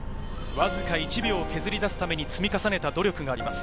わずか１秒を削り出すために積み重ねた努力があります。